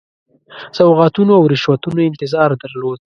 سوغاتونو او رشوتونو انتظار درلود.